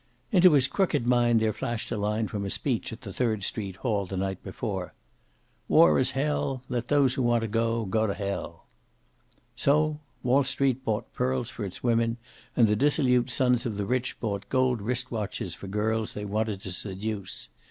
Into his crooked mind there flashed a line from a speech at the Third Street hall the night before: "War is hell. Let those who want to, go to hell." So Wall Street bought pearls for its women, and the dissolute sons of the rich bought gold wrist watches for girls they wanted to seduce.